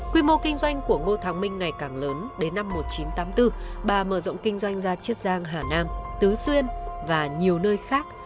quy mô kinh doanh của ngô thắng minh ngày càng lớn đến năm một nghìn chín trăm tám mươi bốn bà mở rộng kinh doanh ra chiết giang hà nam tứ xuyên và nhiều nơi khác